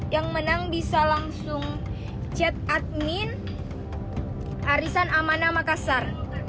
yang menang bisa langsung cet admin arisan amanah makassar